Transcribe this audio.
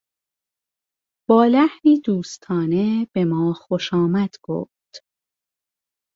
با لحنی دوستانه به ما خوشامد گفت.